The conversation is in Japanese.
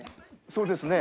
そうですね。